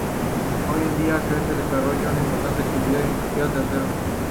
Hoy día Acre desarrolla una importante actividad industrial de acero.